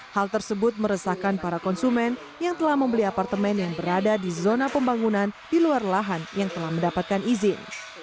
hal tersebut meresahkan para konsumen yang telah membeli apartemen yang berada di zona pembangunan di luar lahan yang telah mendapatkan izin